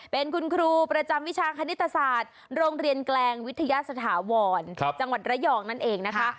เป็นคุณครูประจำวิชาคณิตศาสตร์โรงเรียนแกลงวิทยาสถาวรจังหวัดระยองนั่นเองนะคะ